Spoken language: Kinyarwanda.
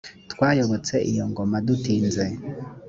twayobotse iyo ngoma dutinze